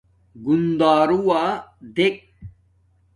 گُندݳرُوݳ دݵک.